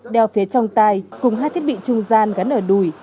đeo phía trong tay cùng hai thiết bị trung gian gắn ở đùi